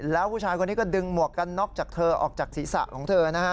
แล้วผู้ชายคนนี้ก็ดึงหมวกกันน็อกจากเธอออกจากศีรษะของเธอนะฮะ